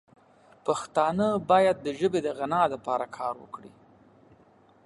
پښتانه باید د ژبې د غنا لپاره کار وکړي.